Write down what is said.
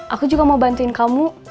aku juga mau bantuin kamu